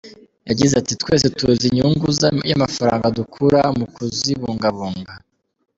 Yagize ati “Twese tuzi inyungu y’amafaranga dukura mu kuzibungabunga.